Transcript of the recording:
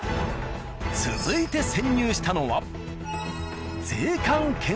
続いて潜入したのは。